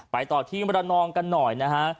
ต่อที่มรนองกันหน่อยนะฮะ